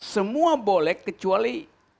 semua boleh kecuali